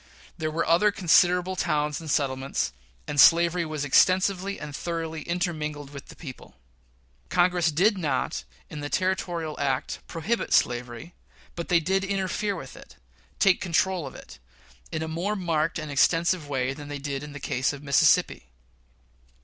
There were other considerable towns and settlements, and slavery was extensively and thoroughly intermingled with the people. Congress did not, in the Territorial Act, prohibit slavery; but they did interfere with it take control of it in a more marked and extensive way than they did in the case of Mississippi.